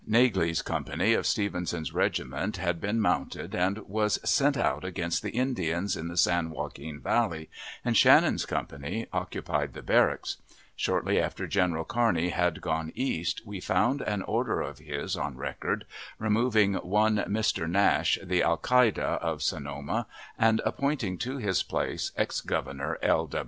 Naglee's company of Stevenson's regiment had been mounted and was sent out against the Indians in the San Joaquin Valley, and Shannon's company occupied the barracks. Shortly after General Kearney had gone East, we found an order of his on record, removing one Mr. Nash, the Alcalde of Sonoma, and appointing to his place ex Governor L.